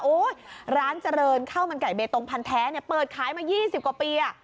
อุ้ยร้านเจริญข้าวมันไก่เบตตงพันแท้เนี่ยเปิดขายมายี่สิบกว่าปีอ่ะ